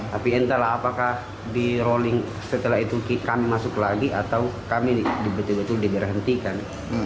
tapi entahlah apakah di rolling setelah itu kami masuk lagi atau kami betul betul diberhentikan